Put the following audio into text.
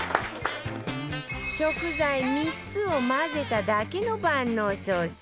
食材３つを混ぜただけの万能ソース